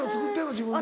自分で。